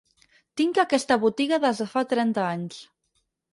Tinc aquesta botiga des de fa trenta anys.